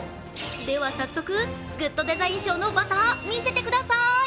では早速、グッドデザイン賞のバター見せてください！